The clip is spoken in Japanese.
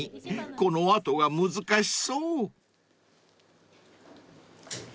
この後が難しそう］